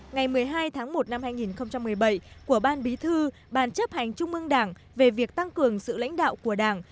ngày một mươi hai tháng một năm hai nghìn một mươi bảy của ban bí thư ban chấp hành trung mương đảng về việc tăng cường sự lãnh đạo của đảng